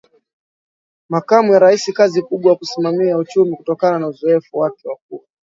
Makamu wa Rais kazi kubwa ya kusimamia uchumiKutokana na uzoefu wake wa kuwa